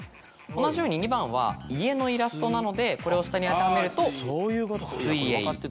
同じように２番は「いえ」のイラストなのでこれを下に当てはめると「水泳」。